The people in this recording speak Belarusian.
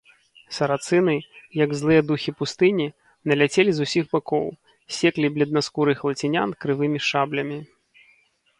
Сарацыны, як злыя духі пустыні, наляцелі з усіх бакоў, секлі бледнаскурых лацінян крывымі шаблямі.